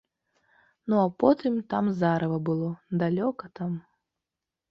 Ну а потым там зарыва было, далёка там.